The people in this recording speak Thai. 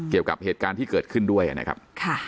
เกี่ยวกับเหตุการณ์ที่เกิดขึ้นด้วยนะครับ